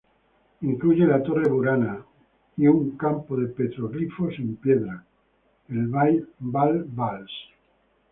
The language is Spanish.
Incluye la torre Burana y un campo de petroglifos en piedra, el "bal-bals.